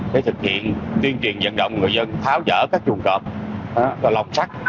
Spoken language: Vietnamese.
để thực hiện tuyên truyền vận động người dân tháo dỡ các chuồng cọp lồng sắt